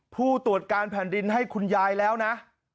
ผู้ตรวจการแผ่นดินให้คุณยายแล้วนะ